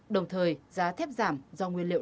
đồng thời giá thép giảm do nguyên liệu